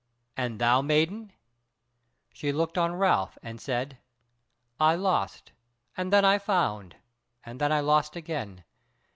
And thou, maiden?" She looked on Ralph and said: "I lost, and then I found, and then I lost again.